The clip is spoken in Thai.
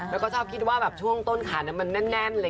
แล้วก็ชอบคิดว่าช่วงต้นขานน้ำมันแน่น